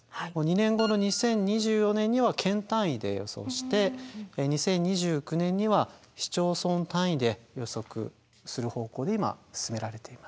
２年後の２０２４年には県単位で予想して２０２９年には市町村単位で予測する方向で今進められています。